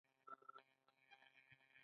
ایا زه به وکولی شم منډه کړم؟